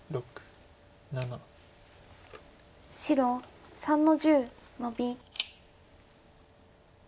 白３の十ノビ。